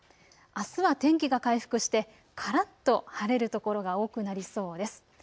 あすは天気が回復してからっと晴れる所が多くなりそうです。